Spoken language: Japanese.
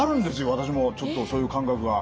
私もちょっとそういう感覚が。